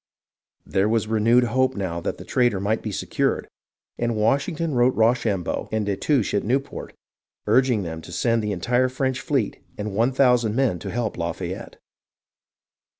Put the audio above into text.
There was renewed hope now that the traitor might be secured, and Washington wrote Rochambeau and Destouches at Newport, urging them to send the entire French fleet and 1000 men to help Lafayette.